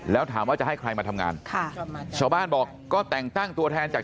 แล้วถามว่าจะให้ใครมาทำงานค่ะชาวบ้านบอกก็แต่งตั้งตัวแทนจาก